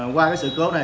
qua cái sự cố này